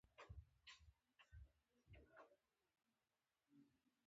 د کندهار خلک د مینې، غیرت او عزت نمونې دي.